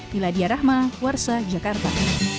niladia rahma warsa jakarta